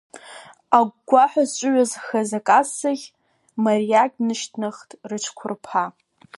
Агәгәаҳәа зҿыҩазхаз акассахь, мариагь днышьҭнахт рыцәқәырԥа.